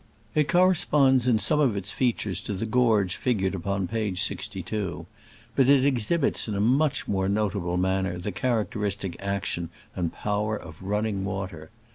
It corresponds in some of its features to the gorge figured upon page 62, but it exhibits in a much more notable man ner the characteristic action and power of running water.